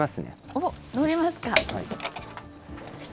おっ、乗りますか。